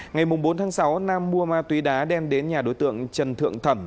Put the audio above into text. ngày bốn tháng sáu nam mua ma túy đá đem đến nhà đối tượng trần thượng thẩm